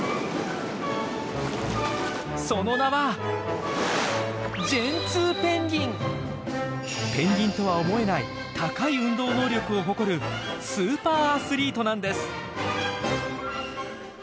その名はペンギンとは思えない高い運動能力を誇るスーパーアスリートなんです！